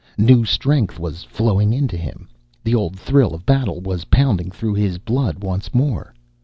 New strength was flowing into him, the old thrill of battle was pounding through his blood once more.